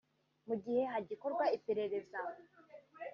mu gihe hagikorwa iperereza